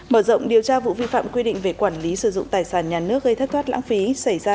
mở rộng điều tra vụ vi phạm quy định về quản lý sử dụng tài sản nhà nước gây thất thoát lãng phí xảy ra